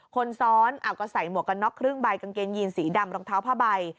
คนซ้อนก็ใส่หมวกกันน็อกครึ่งใบกางเกงยีนสีดำรองเท้าผ้าใบ